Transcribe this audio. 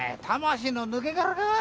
魂の抜け殻かぁ？